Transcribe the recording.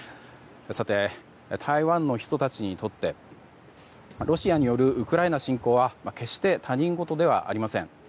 台湾の人たちにとってロシアによるウクライナ侵攻は決して他人事ではありません。